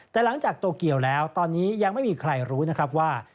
แต่หลังจากโตเกียวแล้วตอนนี้ยังไม่มีใครรู้นะครับว่า